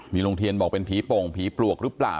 ลุงเทียนบอกเป็นผีโป่งผีปลวกหรือเปล่า